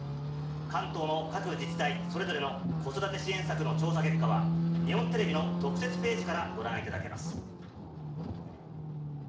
関東の各自治体それぞれの子育て支援策の調査結果は、日本テレビの特設ページからご覧いただけます。